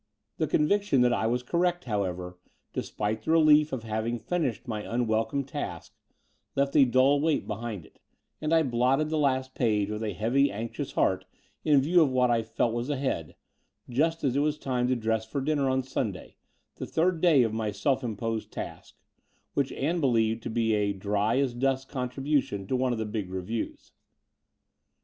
f The conviction that I was correct, however, despite the relief of having finished my unwelcome task, left a dull weight behind it: and I blotted the last page with a heavy anxious heart in view of what I felt was ahead, just as it was time to dress for dinner on Sunday, the third day of my self imposed task, which Ann believed to be a dry as dust contribution to one of the big reviews.